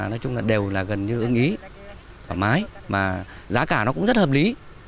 nói chung là đều là gần như ưng ý thoải mái mà giá cả nó cũng rất hợp lý